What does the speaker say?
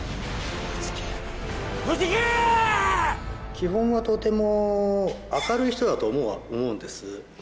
基本はとても明るい人だと思うは思うんです。